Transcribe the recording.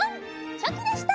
チョキでした！